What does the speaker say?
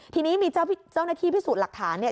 ทีนี้มีเจ้าหน้าที่พิสูจน์หลักฐานเนี่ย